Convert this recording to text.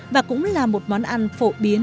và cũng là một món ăn phổ biến